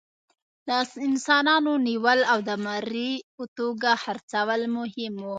د انسانانو نیول او د مري په توګه خرڅول مهم وو.